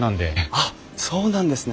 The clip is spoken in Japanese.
あっそうなんですね。